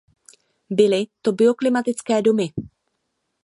Byly to bioklimatické domy.